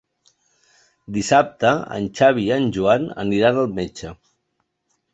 Dissabte en Xavi i en Joan aniran al metge.